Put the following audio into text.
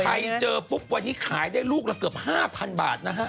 เจอปุ๊บวันนี้ขายได้ลูกละเกือบ๕๐๐บาทนะฮะ